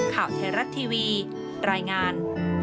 ข่าวไทยรัฐทีวีรายงาน